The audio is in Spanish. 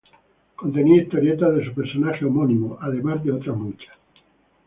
Contenía historietas de su personaje homónimo, además de otras muchas.